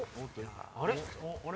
あれ？